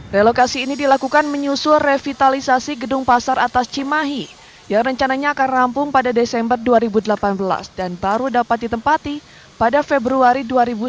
relokasi ini dilakukan menyusul revitalisasi gedung pasar atas cimahi yang rencananya akan rampung pada desember dua ribu delapan belas dan baru dapat ditempati pada februari dua ribu sembilan belas